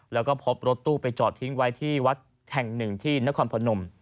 แล้วก็พบรถตู้ไปจอดทิ้งไว้ที่วัดแห่งหนึ่งที่นครพนม